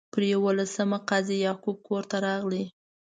پر یوولسمه قاضي یعقوب کور ته راغی.